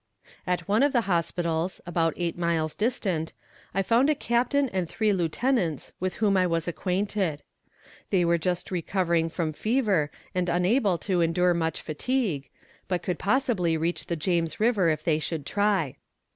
At one of the hospitals, about eight miles distant, I found a captain and three lieutenants with whom I was acquainted. They were just recovering from fever and unable to endure much fatigue, but could probably reach the James River if they should try.